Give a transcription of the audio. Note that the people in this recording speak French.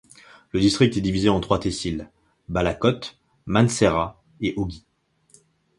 Le district est divisé en trois tehsils, Bala Kot, Mansehra et Oghi.